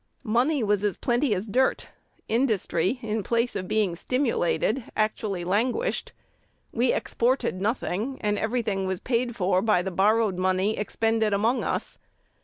"Money was as plenty as dirt. Industry, in place of being stimulated, actually languished. We exported nothing, and every thing was paid for by the borrowed money expended among us."